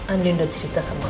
andin udah cerita sama mama